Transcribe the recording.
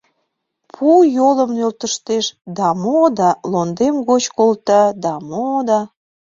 Пу йолым нӧлтыштеш да мо да, лондем гоч колта да мо да...